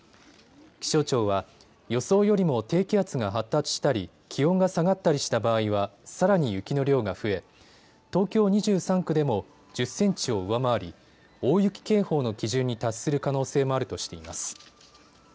気象庁は予想よりも低気圧が発達したり気温が下がったりした場合はさらに雪の量が増え東京２３区でも１０センチを上回り大雪警報の基準に達する可能性もあるとしています。